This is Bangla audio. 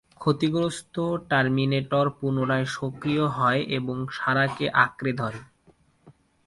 ক্ষতিগ্রস্ত টারমিনেটর পুনরায় সক্রিয় হয় এবং সারাকে আঁকড়ে ধরে।